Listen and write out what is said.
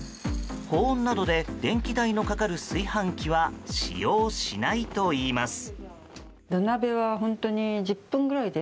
保温などで電気代のかかる炊飯器は使用しないといいます。